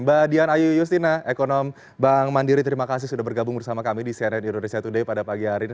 mbak dian ayu yustina ekonom bank mandiri terima kasih sudah bergabung bersama kami di cnn indonesia today pada pagi hari ini